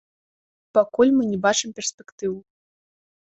Пакуль мы не бачым перспектыў.